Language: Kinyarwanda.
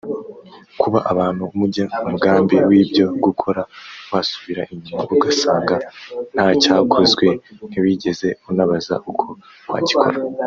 Kuba abantu mujya umugambi w’ibyo gukora wasubira inyuma ugasanga ntacyakozwe ntiwigeze unabaza uko wagikora